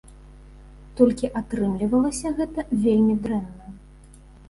Толькі атрымлівалася гэта вельмі дрэнна.